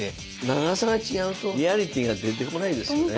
長さが違うとリアリティーが出てこないんですよね。